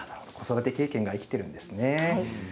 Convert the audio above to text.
子育て経験が生きているんですね。